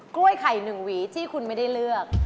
กล้วยไข่๑หวีที่คุณไม่ได้เลือก